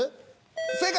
正解。